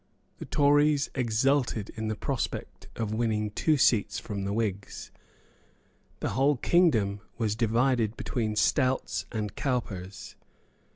The Tories exulted in the prospect of winning two seats from the Whigs. The whole kingdom was divided between Stouts and Cowpers.